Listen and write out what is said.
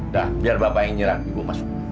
dah biar bapak yang nyiram ibu masuk